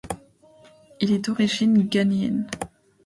Il est d'origine ghanéenne.